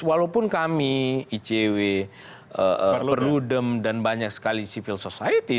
walaupun kami icw perludem dan banyak sekali civil society